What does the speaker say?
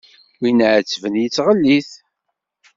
Wi iɛetben yettɣellit.